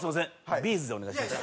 「ビーズ」でお願いします。